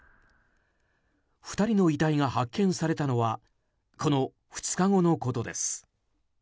２人の遺体が発見されたのはこの２日後のことです。